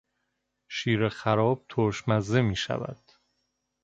شیر خراب ترش مزه میشود.